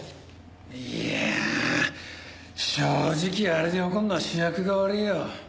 いやあ正直あれで怒るのは主役が悪いよ。